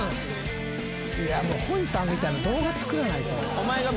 もうほいさんみたいな動画作らな。